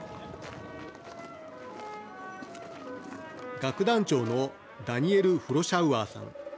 楽団長のダニエル・フロシャウアーさん。